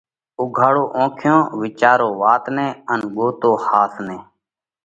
اُوگھاڙو اونکيون، وِيچارو وات نئہ ان اوۯکو ۿاس نئہ!